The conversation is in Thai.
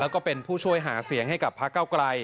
แล้วก็เป็นผู้ช่วยหาเสียงให้กับพระเก้าไกล